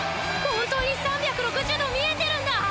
本当に３６０°見えてるんだ！